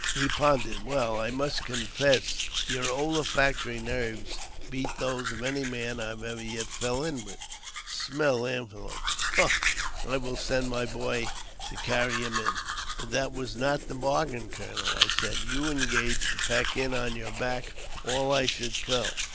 he pondered; "well, I must confess, your olfactory nerves beat those of any man I ever yet fell in with. Smell antelope ! Humph ! I will send my boy to carry him in." "But that was not the bargain, colonel," I said; "you engaged to pack in on your back all I should kill.